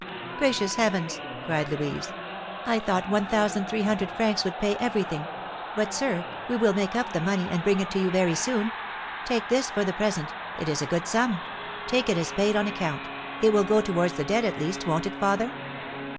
"Gracious heavens!" cried Louise, "I thought one thousand three hundred francs would pay everything! But, sir, we will make up the money, and bring it to you very soon; take this for the present, it is a good sum; take it as paid on account; it will go towards the debt, at least, won't it, father?"